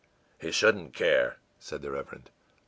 î ìHe shouldn't care,î said the Reverend.